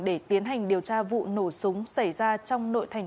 để tiến hành điều tra vụ nổ súng xảy ra trong nội thành